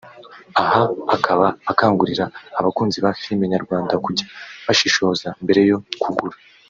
aha akaba akangurira abakunzi ba filime nyarwanda kujya bashishoza mbere yo kugura